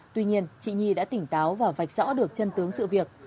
tuy nhiên chị nhi đã tỉnh táo và vạch rõ được chân tướng sự việc